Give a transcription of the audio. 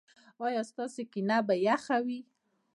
ایا ستاسو کینه به یخه وي؟